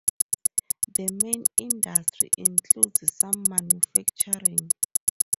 The main industry includes some manufacturing.